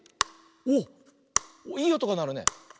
おっいいおとがなるね。